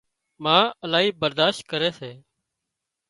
ما الاهي برادشت ڪري سي